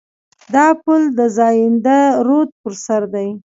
دا پل د زاینده رود پر سر دی.